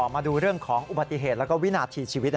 มาดูเรื่องของอุบัติเหตุและวินาทีชีวิต